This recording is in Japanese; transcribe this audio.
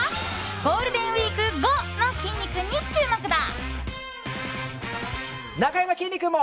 ゴールデンウィーク後のきんに君に注目だ。